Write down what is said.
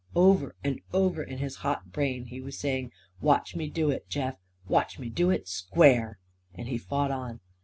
Over and over in his hot brain he was saying: "Watch me do it, Jeff! Watch me do it, square!" And he fought on.